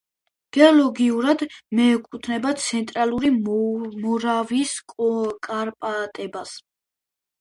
გეოლოგიურად მიეკუთვნება ცენტრალური მორავიის კარპატებს.